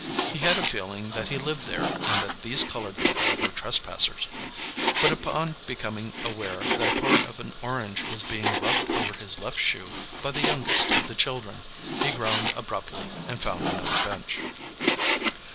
He had a feeling that he lived there and that these coloured people were trespassers; but upon becoming aware that part of an orange was being rubbed over his left shoe by the youngest of the children, he groaned abruptly and found another bench.